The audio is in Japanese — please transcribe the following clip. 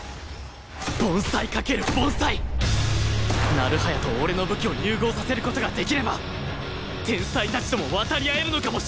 成早と俺の武器を融合させる事ができれば天才たちとも渡り合えるのかもしれない！